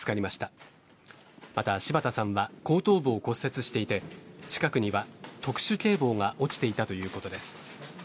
また、柴田さんは後頭部を骨折していて近くには特殊警棒が落ちていたということです。